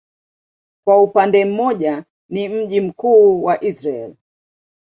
Kwa upande mmoja ni mji mkuu wa Israel.